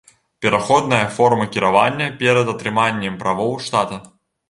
Пераходная форма кіравання перад атрыманнем правоў штата.